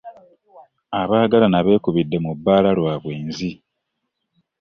Abaagalana beekubidde mu bbala lw'abwenzi.